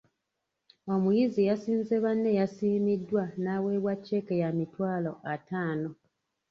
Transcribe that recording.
Omuyizi eyasinze banne yasiimiddwa n’aweebwa cceeke ya mitwalo ataano.